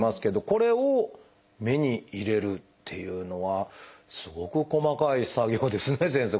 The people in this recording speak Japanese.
これを目に入れるっていうのはすごく細かい作業ですね先生